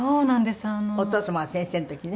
お父様が先生の時ね。